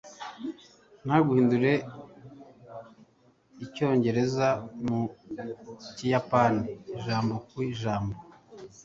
ntugahindure icyongereza mu kiyapani ijambo ku ijambo